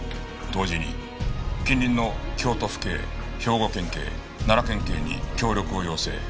同時に近隣の京都府警兵庫県警奈良県警に協力を要請。